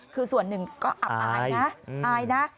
คือส่วนหนึ่งก็อับอายนะ